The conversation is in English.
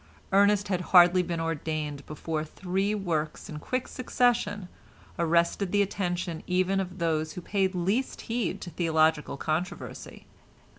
Ernest had hardly been ordained before three works in quick succession arrested the attention even of those who paid least heed to theological controversy.